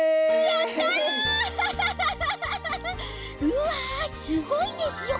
うわすごいですよ